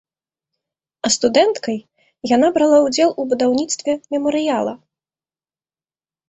А студэнткай яна брала ўдзел у будаўніцтве мемарыяла.